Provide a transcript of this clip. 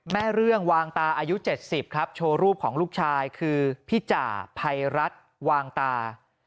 เรื่องวางตาอายุ๗๐ครับโชว์รูปของลูกชายคือพี่จ่าภัยรัฐวางตา